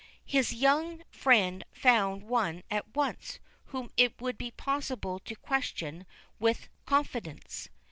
His young friend found one at once whom it would be possible to question with confidence.